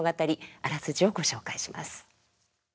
あらすじをご紹介します。